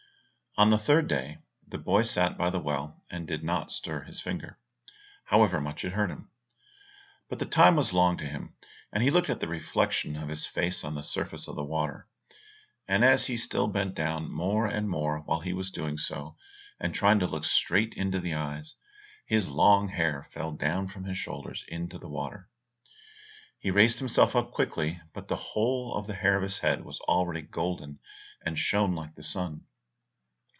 On the third day, the boy sat by the well, and did not stir his finger, however much it hurt him. But the time was long to him, and he looked at the reflection of his face on the surface of the water. And as he still bent down more and more while he was doing so, and trying to look straight into the eyes, his long hair fell down from his shoulders into the water. He raised himself up quickly, but the whole of the hair of his head was already golden and shone like the sun.